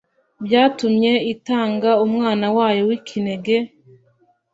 byatumye itanga Umwana wayo w'ikinege